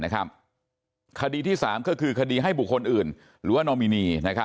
คดีที่๓ก็คือคดีให้บุคคลอื่นหรือว่านอมินี